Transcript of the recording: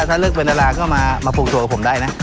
ถ้าเลือกเป็นดาราก็มาปรุงตัวกับผมได้นะ